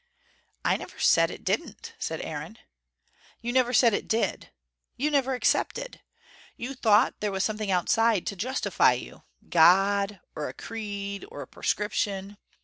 "I never said it didn't," said Aaron. "You never said it did. You never accepted. You thought there was something outside, to justify you: God, or a creed, or a prescription.